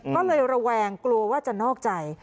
ก็เลยระแวงกลัวว่าจะนอกใจ